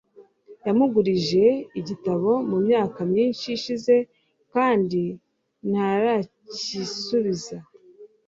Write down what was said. Yamugurije igitabo mu myaka myinshi ishize kandi ntaracyisubiza.